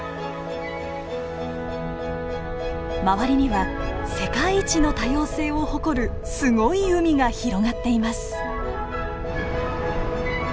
周りには世界一の多様性を誇るすごい海が広がっています。